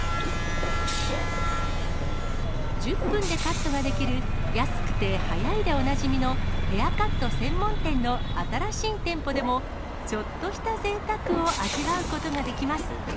１０分でカットができる、安くて早いでおなじみのヘアカット専門店の新しい店舗でも、ちょっとしたぜいたくを味わうことができます。